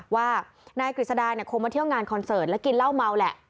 ว่านายกฤษดาคงมาเที่ยวงานคนเสิร์ตและกินเวลาเมาแหละ